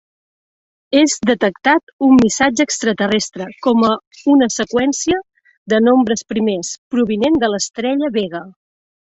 És detectat un missatge extraterrestre com una seqüència de nombres primers, provinent de l'estrella Vega.